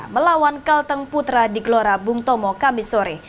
melawan kalteng putra di glora bung tomo kambisore